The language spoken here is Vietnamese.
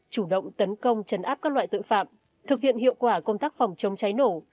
chủ động tấn công chấn áp các loại tội phạm thực hiện hiệu quả công tác phòng chống cháy nổ